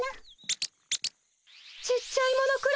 ちっちゃいもの